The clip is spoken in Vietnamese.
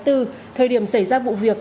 thời điểm xảy ra vụ việc